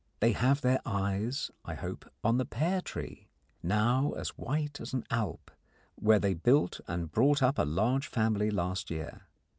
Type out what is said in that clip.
They have their eyes, I hope, on the pear tree now as white as an Alp where they built and brought up a large family last year.